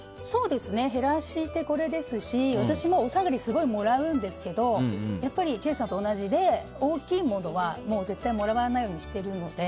減らしてこれですし私もお下がりすごいもらうんですけど千秋さんと同じで大きいものは絶対貰わないようにしてるので。